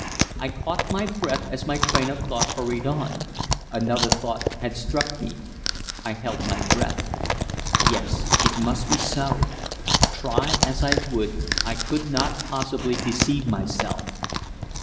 I caught my breath as my train of thought hurried on. Another thought had struck me. I held my breath! Yes, it must be so. Try as I would I could not possibly deceive myself.